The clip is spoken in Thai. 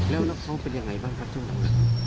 แล้วแล้วเขาเป็นยังไงบ้างครับจุดนั้น